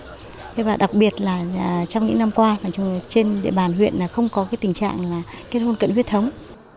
thế và đặc biệt là trong những năm qua trên địa bàn huyện là không có cái tình trạng là kết hôn cận huyết thống